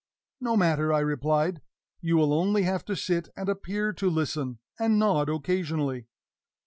"No matter," I replied. "You will only have to sit and appear to listen, and nod occasionally."